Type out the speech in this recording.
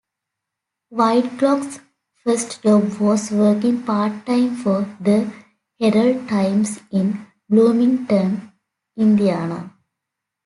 Whitlock's first job was working part-time for "The Herald-Times" in Bloomington, Indiana.